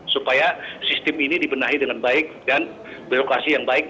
supaya sistem ini dibenahi dengan baik dan birokrasi yang baik